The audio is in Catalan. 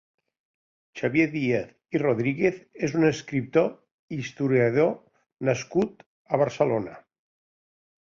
Xavier Diez i Rodríguez és un escriptor i historiador nascut a Barcelona.